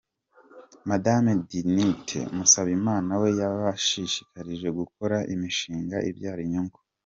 Madame Dignité Musabimana we yabashishikarije gukora imishinga ibyara inyungu.